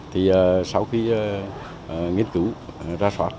thì sau khi nghiên cứu ra soát